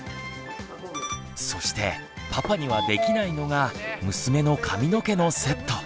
そしてパパにはできないのが「娘の髪の毛のセット」。